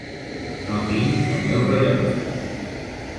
No tinc el meu rellotge.